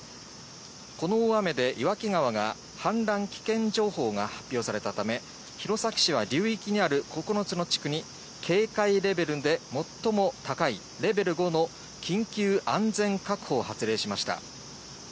この大雨で、岩木川が氾濫危険情報が発表されたため、弘前市は流域にある９つの地区に、警戒レベルで最も高いレベル５の緊急安全確保を発令しました。